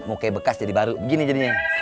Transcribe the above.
mukai bekas jadi baru gini jadinya